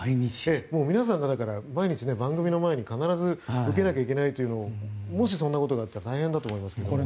皆さんが毎日番組の前に必ず受けなきゃいけないというのももしそんなことになったら大変だと思います。